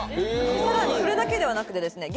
更にそれだけではなくてですね